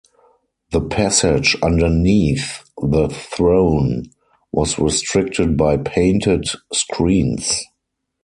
The passage underneath the throne was restricted by painted screens.